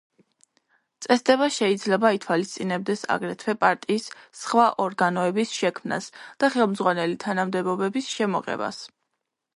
წესდება შეიძლება ითვალისწინებდეს აგრეთვე პარტიის სხვა ორგანოების შექმნას და ხელმძღვანელი თანამდებობების შემოღებას.